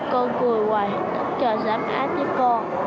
cô cười hoài hết tất trời giảm áp với cô